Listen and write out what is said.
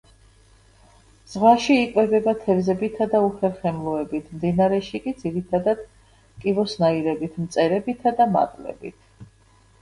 ზღვაში იკვებება თევზებითა და უხერხემლოებით, მდინარეში კი ძირითადად კიბოსნაირებით, მწერებითა და მატლებით.